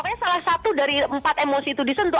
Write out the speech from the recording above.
makanya salah satu dari empat emosi itu disentuh